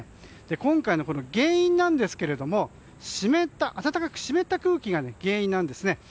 今回の原因ですが暖かく湿った空気が原因なんですね。